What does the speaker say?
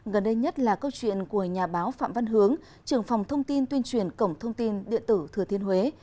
gần đây nhất là câu chuyện của nhà báo phạm văn hướng trưởng phòng thông tin tuyên truyền cổng thông tin điện tử thừa thiên huế